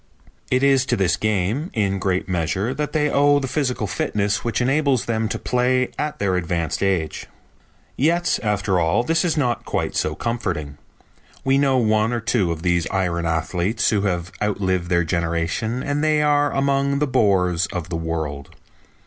It is to this game, in great measure, that they owe the physical fitness which enables them to play at their advanced age." Yet after all this is not quite so comforting. We know one or two of these iron athletes who have outlived their generation and they are among the bores of the world.